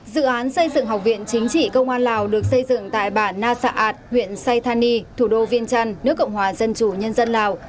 dự án xây dựng học viện chính trị công an lào được xây dựng tại bản nha saat huyện sai thani thủ đô viên trăn nước cộng hòa dân chủ nhân dân lào